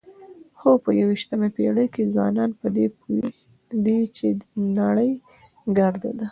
خو په یوویشتمه پېړۍ کې ځوانان په دې پوه دي چې نړۍ ګرده ده.